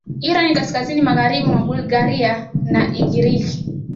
Irani kaskazini magharibi na Bulgaria na Ugiriki